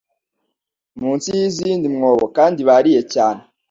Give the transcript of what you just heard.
munsi yizindi mwobo kandi bariye cyane